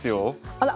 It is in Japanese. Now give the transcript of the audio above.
あら！